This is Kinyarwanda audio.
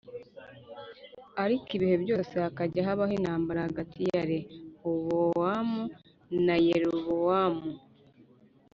Ariko ibihe byose hakajya habaho intambara hagati ya Rehobowamu na Yerobowamu